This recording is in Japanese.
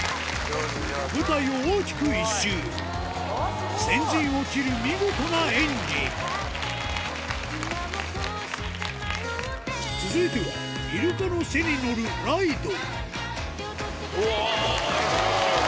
舞台を大きく１周先陣を切る見事な演技続いてはイルカの背に乗るおぉ！